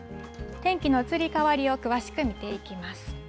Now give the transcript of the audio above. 天気の移り変わりを詳しく見ていきます。